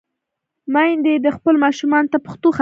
میندې دې خپلو ماشومانو ته پښتو خبرې وکړي.